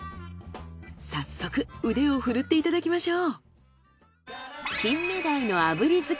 早速腕をふるっていただきましょう。